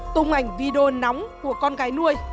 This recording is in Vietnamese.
tùng ảnh video nóng của con gái nuôi